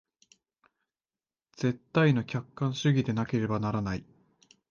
絶対の客観主義でなければならない。